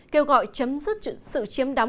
kêu gọi chấm dứt sự chiếm đắm